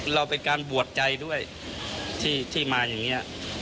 เราเป็นการบวชใจด้วยที่มาอย่างนี้